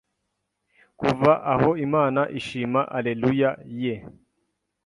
Kuva aho Imana ishima alleluia ye